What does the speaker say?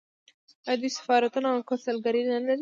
آیا دوی سفارتونه او کونسلګرۍ نلري؟